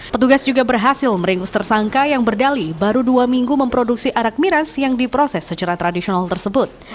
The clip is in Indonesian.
petugas juga berhasil meringkus tersangka yang berdali baru dua minggu memproduksi arak miras yang diproses secara tradisional tersebut